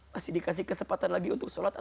masih dikasih kesempatan lagi untuk sholat atau tidak